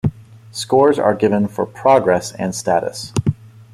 Scores are given for "progress" and "status.